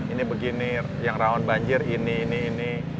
ini begini yang rawan banjir ini ini ini